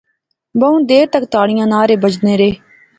بہوں دیر تک تاڑیاں نعرے بجنے رہے